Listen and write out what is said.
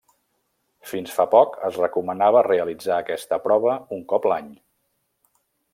Fins fa poc es recomanava realitzar aquesta prova un cop a l'any.